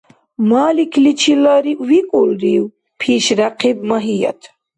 — Маликличила викӀулрив? — пишряхъиб Магьият.